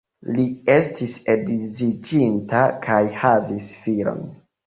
Li estis edziĝinta kaj havis filon.